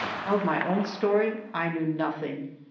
Of my own story I knew nothing.